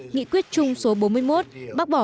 nghị quyết chung số bốn mươi một bác bỏ